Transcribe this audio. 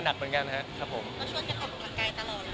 หนักเหมือนกันนะครับครับผมแล้วชวนจะเขากำลังกายตลอด